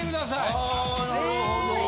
あなるほど。